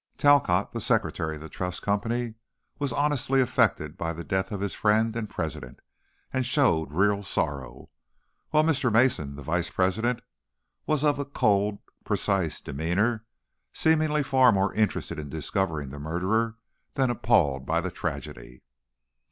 Talcott, the secretary of the Trust Company, was honestly affected by the death of his friend and president, and showed real sorrow, while Mr. Mason, the vice president, was of a cold, precise demeanor, seemingly far more interested in discovering the murderer than appalled by the tragedy.